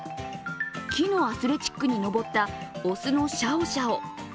木のアスレチックに登った雄のシャオシャオ。